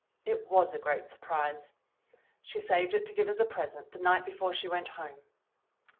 It was a great surprise. She saved it to give as a present the night before she went home.